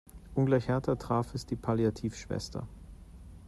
Ungleich härter traf es die Palliativschwester.